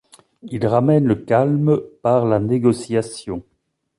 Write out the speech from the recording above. Il ramène le calme par la négociation.